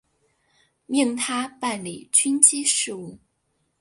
命他办理军机事务。